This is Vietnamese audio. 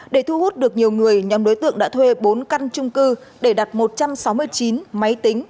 để thu hút được nhiều người nhóm đối tượng đã thuê bốn căn trung cư để đặt một trăm sáu mươi chín máy tính